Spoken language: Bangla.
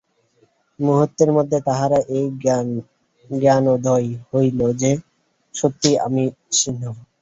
মুহূর্তের মধ্যে তাহার এই জ্ঞানোদয় হইল যে, সত্যিই তো আমি সিংহ।